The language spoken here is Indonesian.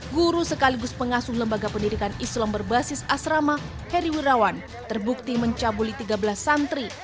guru sekaligus pengasuh lembaga pendidikan islam berbasis asrama heri wirawan terbukti mencabuli tiga belas santri